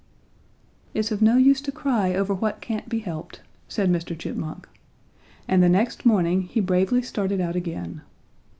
"'It's of no use to cry over what can't be helped,' said Mr. Chipmunk, and the next morning he bravely started out again.